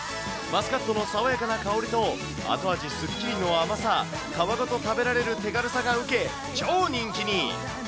マスカットの爽やかな香りと、後味すっきりの甘さ、皮ごと食べられる手軽さが受け、超人気に。